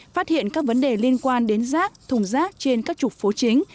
phát hiện các vấn đề liên quan đến rác thùng rác trên các trục phố chính